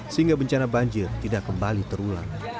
sehingga bencana banjir tidak kembali terulang